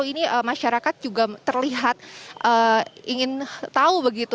ini masyarakat juga terlihat ingin tahu begitu